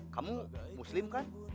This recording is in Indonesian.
kamu muslim kan